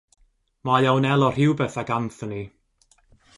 Mae a wnelo rhywbeth ag Anthony.